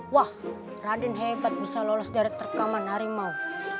wah raden hebat bisa lolos dari rekaman harimau